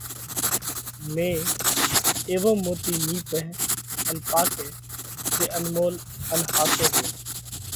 ۾ ايوو موتِي نِيپئه ان پاڪئه۔ جي انمول ان ۿاسو هوئه۔